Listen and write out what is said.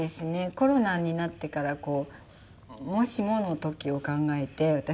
コロナになってからもしもの時を考えて私も仕事をして。